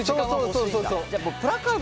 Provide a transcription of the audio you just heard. そうそうそうそうそう。